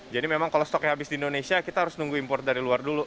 jadi memang kalau stoknya habis di indonesia kita harus nunggu import dari luar dulu